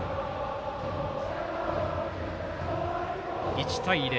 １対０。